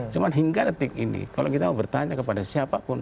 cuma hingga detik ini kalau kita mau bertanya kepada siapapun